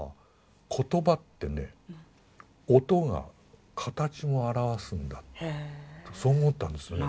言葉ってね音が形も表すんだってそう思ったんですよね。